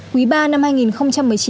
quý ba năm hai nghìn một mươi chín